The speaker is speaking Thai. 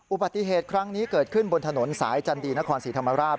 อุบัติเหตุครั้งนี้เกิดขึ้นบนถนนสายจันดีนครศรีธรรมราช